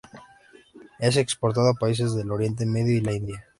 Es exportado a países del Oriente Medio y la India.